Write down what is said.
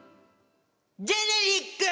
ジェネリック！